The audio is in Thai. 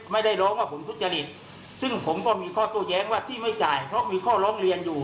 ไม่ได้ร้องว่าผมทุจริตซึ่งผมก็มีข้อโต้แย้งว่าที่ไม่จ่ายเพราะมีข้อร้องเรียนอยู่